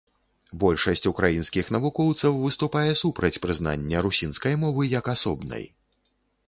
Большасць украінскіх навукоўцаў выступае супраць прызнання русінскай мовы як асобнай.